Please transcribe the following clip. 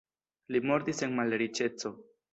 Li mortis en malriĉeco.